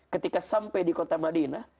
ketika sampai di kota madinah